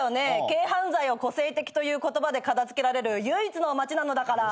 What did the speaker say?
軽犯罪を「個性的」という言葉で片付けられる唯一の街なのだから。